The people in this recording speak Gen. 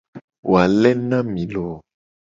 Wale na mi loo.